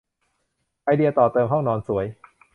ไอเดียต่อเติมห้องนอนสวย